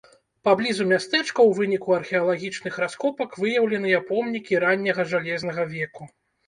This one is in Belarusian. Паблізу мястэчка ў выніку археалагічных раскопак выяўленыя помнікі ранняга жалезнага веку.